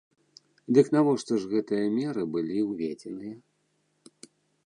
Дык навошта ж гэтыя меры былі ўведзеныя?